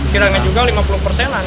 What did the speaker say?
kiranya juga lima puluh persenan